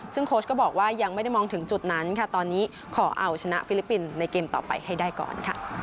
ซึ่งโค้ชก็บอกว่ายังไม่ได้มองถึงจุดนั้นค่ะตอนนี้ขอเอาชนะฟิลิปปินส์ในเกมต่อไปให้ได้ก่อนค่ะ